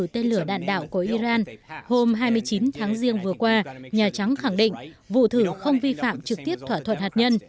tên lửa đạn đạo của iran hôm hai mươi chín tháng riêng vừa qua nhà trắng khẳng định vụ thử không vi phạm trực tiếp thỏa thuận hạt nhân